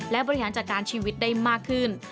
และบริหารจัดการชีวิตได้มากขึ้น